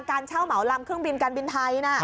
การเช่าเหมาลำเครื่องบินการบินไทยนะ